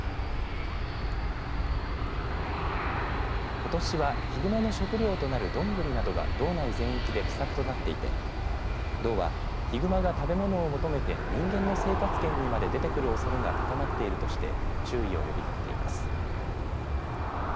ことしはヒグマの食料となるどんぐりなどが道内全域で不作となっていて道は、ヒグマが食べ物を求めて人間の生活圏にまで出てくるおそれが高まっているとして注意を呼びかけています。